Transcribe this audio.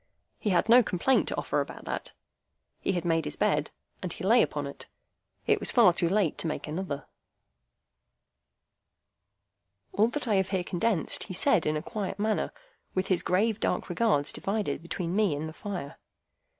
He had no complaint to offer about that. He had made his bed, and he lay upon it. It was far too late to make another. [Picture: The signal man] All that I have here condensed he said in a quiet manner, with his grave, dark regards divided between me and the fire.